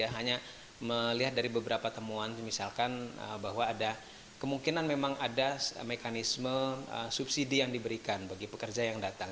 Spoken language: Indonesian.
hanya melihat dari beberapa temuan misalkan bahwa ada kemungkinan memang ada mekanisme subsidi yang diberikan bagi pekerja yang datang